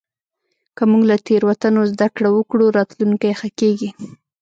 که موږ له تېروتنو زدهکړه وکړو، راتلونکی ښه کېږي.